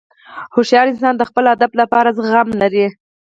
هوښیار انسان د خپل هدف لپاره زغم لري.